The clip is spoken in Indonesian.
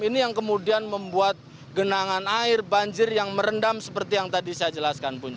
ini yang kemudian membuat genangan air banjir yang merendam seperti yang tadi saya jelaskan punca